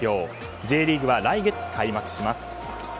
Ｊリーグは来月開幕します。